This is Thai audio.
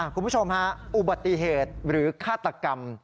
คุณผู้ชมฮะอุบัติเหตุหรือฆาตกรรม